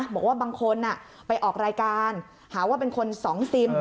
บอกว่าบางคนไปออกรายการหาว่าเป็นคนสองซิม